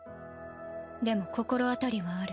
でも心当たりはある。